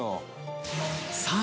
さあ